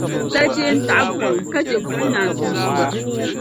Salichee n-taɣi buɣim ka chɛ buɣim naan tum tuma.